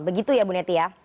begitu ya bu neti ya